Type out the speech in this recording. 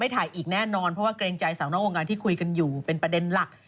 ถ่ายอีกแน่นอนเพราะว่าเกรงใจสาวนอกวงการที่คุยกันอยู่เป็นประเด็นหลัก